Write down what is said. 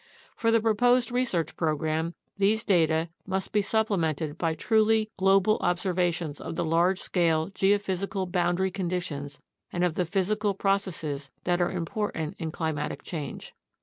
For the proposed research program, these data must be supplemented by truly global observations of the large scale geophysical boundary conditions and of the physical pro cesses that are important in climatic change.